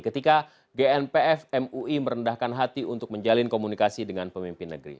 ketika gnpf mui merendahkan hati untuk menjalin komunikasi dengan pemimpin negeri